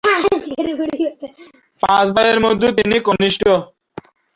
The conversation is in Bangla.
পাঁচ ভাইয়ের মধ্যে তিনি কনিষ্ঠ।